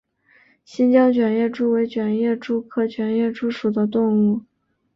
新疆卷叶蛛为卷叶蛛科卷叶蛛属的动物。